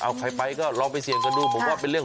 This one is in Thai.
เอาใครไปก็ลองไปเสี่ยงกันดู